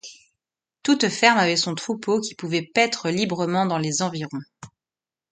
Toute ferme avait son troupeau qui pouvait paître librement dans les environs.